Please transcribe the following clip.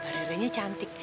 rere nya cantik